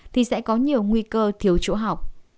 thì sẽ có nhiều nguy cơ thiếu chỗ học